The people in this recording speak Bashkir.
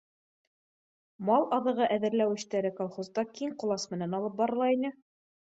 Мал аҙығы әҙерләү эштәре колхозда киң ҡолас менән алып барыла ине